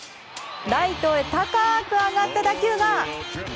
ライトへ高く上がった打球が。